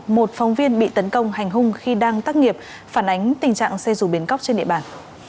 một phóng viên bị tấn công hành hung khi đang tác nghiệp phản ánh tình trạng xe rùa bến cóc trên địa bàn